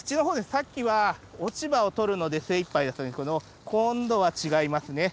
さっきは落ち葉を取るので精いっぱいだったんですけど今度は違いますね。